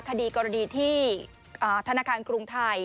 คดีกรณีที่ธนาคารกรุงไทย